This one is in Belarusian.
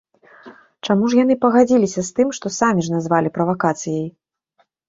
Чаму ж яны пагадзіліся з тым, што самі ж назвалі правакацыяй?